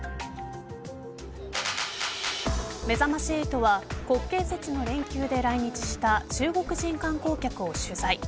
めざまし８は国慶節の連休で来日した中国人観光客を取材。